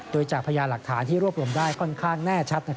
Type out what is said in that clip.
โดยจากพยานหลักฐานที่รวบรวมได้ค่อนข้างแน่ชัด